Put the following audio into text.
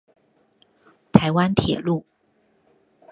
臺灣鐵路